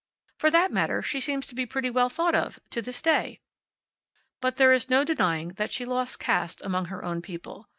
For that matter, she seems to be pretty well thought of, to this day." But there is no denying that she lost caste among her own people.